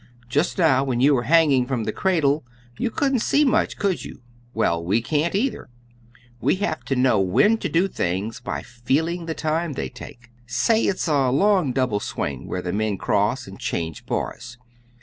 Just now when you were hanging from the cradle you couldn't see much, could you? Well, we can't, either. We have to know when to do things by feeling the time they take. Say it's a long double swing, where the men cross and change bars.